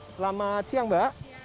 selamat siang mbak